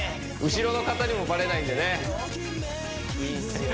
後ろの方にもバレないんでねいいですよ